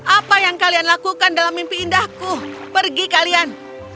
apa yang kalian lakukan dalam mimpi indahku pergi kalian